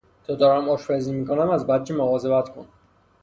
تا دارم آشپزی می کنم از بچه مواظبت کن.